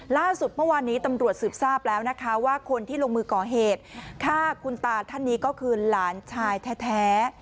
ล่าสุดเมื่อวานนี้ตำรวจสืบทราบแล้วนะคะว่าคนที่ลงมือก่อเหตุฆ่าคุณตาท่านนี้ก็คือหลานชายแท้